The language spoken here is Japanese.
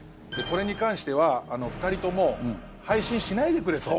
これに関しては２人とも配信しないでくれと。